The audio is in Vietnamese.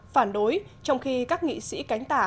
phản đối trong khi các nghị sĩ cánh tả